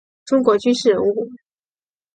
中国军事人物。